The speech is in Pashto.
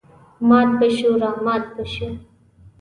مات به شوو رامات به شوو.